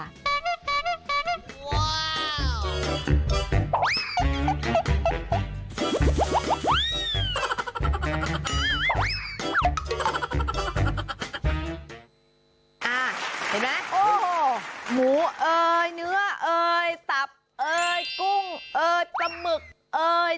เห็นไหมโอ้โหหมูเอ่ยเนื้อเอ่ยตับเอ่ยกุ้งเอ่ยจมึกเอ่ย